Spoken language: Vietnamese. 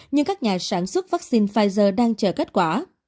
nhưng các nhà sản xuất vaccine pfizer đang chờ kết quả